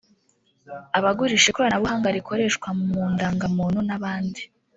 abagurisha ikoranabuhanga rikoreshwa mu ndangamuntu n’abandi